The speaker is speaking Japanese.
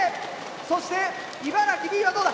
そして茨城Ｂはどうだ。